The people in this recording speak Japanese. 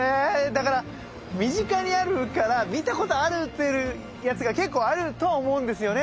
だから身近にあるから見たことあるやつが結構あるとは思うんですよね。